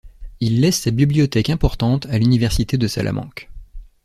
Il laisse sa bibliothèque importante à l'université de Salamanque.